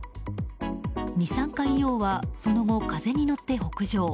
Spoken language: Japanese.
二酸化硫黄は、その後風に乗って北上。